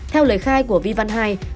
theo lời khai của vi văn hai